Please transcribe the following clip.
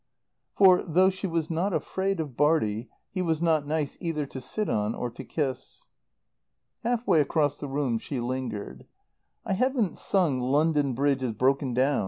For, though she was not afraid of Bartie, he was not nice either to sit on or to kiss. Half way across the room she lingered. "I haven't sung 'London Bridge is broken down.'